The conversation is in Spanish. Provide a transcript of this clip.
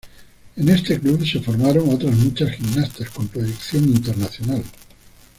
En este club se formaron otras muchas gimnastas con proyección internacional.